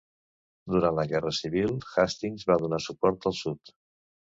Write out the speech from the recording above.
Durant la Guerra Civil, Hastings va donar suport al Sud.